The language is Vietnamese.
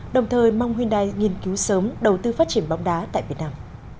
đồng thời mong hyundai nghiên cứu sớm đầu tư phát triển bóng đá tại việt nam